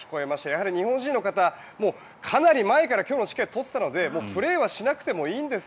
やはり、日本人の方もうかなり前から今日のチケットを取っていたのでプレーをしなくてもいいんです